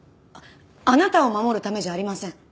あなたを守るためじゃありません。